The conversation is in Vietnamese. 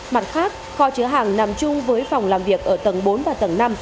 mặt khác kho chứa hàng nằm chung với phòng làm việc ở tầng bốn và tầng năm